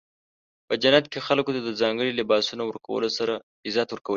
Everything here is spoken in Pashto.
په جنت کې خلکو ته د ځانګړو لباسونو ورکولو سره عزت ورکول کیږي.